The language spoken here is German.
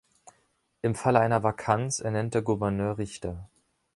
Im Falle einer Vakanz ernennt der Gouverneur Richter.